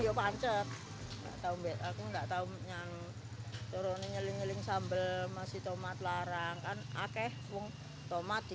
yo pancet tahu tahu yang turun nyeling nyeling sambal masih tomat larang kan akeh tomat di